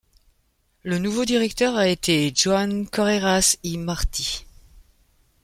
Le nouveau directeur a été Joan Carreras i Martí.